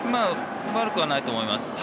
悪くはないと思います。